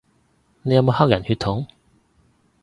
你有冇黑人血統